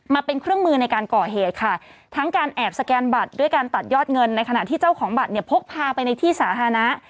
มาเป็นเครื่องมือในการก่อเหตุค่ะทั้งการแอบสแกนบัตรด้วยการตัดยอดเงินในขณะที่เจ้าของบัตรเนี่ยพกพาไปในที่สาธารณะ